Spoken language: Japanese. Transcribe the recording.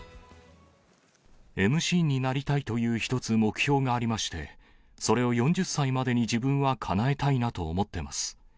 ＭＣになりたいという一つ目標がありまして、それを４０歳までに自分はかなえたいなと思ってます。